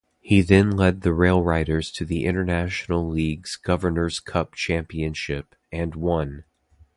He then led the RailRiders to the International League's Governors' Cup championship and won.